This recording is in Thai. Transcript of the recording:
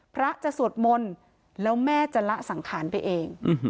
พระจะสวดมนต์แล้วแม่จะละสังขารไปเอง